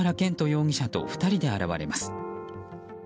容疑者と２人で現れます。